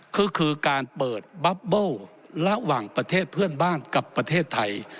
คือคือการเปิดบับเบิ้ลระหว่างประเทศเพื่อนบ้านกับประเทศไทย